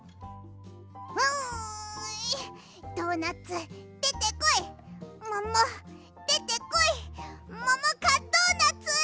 うんドーナツでてこいももでてこいももかドーナツ！